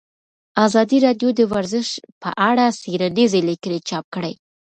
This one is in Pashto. ازادي راډیو د ورزش په اړه څېړنیزې لیکنې چاپ کړي.